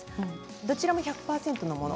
どちらも１００％のもの